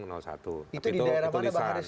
itu di daerah mana bang haris